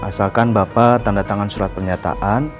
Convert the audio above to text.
asalkan bapak tanda tangan surat pernyataan